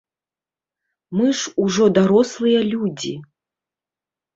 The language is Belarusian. Мы ж ужо дарослыя людзі.